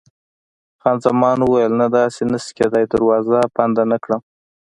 خان زمان وویل: نه، داسې نه شي کېدای، دروازه بنده نه کړم.